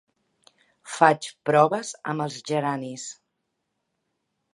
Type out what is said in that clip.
Faig proves amb els geranis.